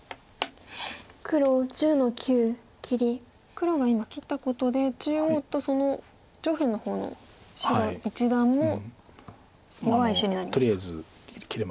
黒が今切ったことで中央と上辺の方の白一団も弱い石になりました。